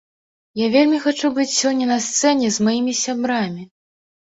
Я вельмі хачу быць сёння на сцэне з маімі сябрамі.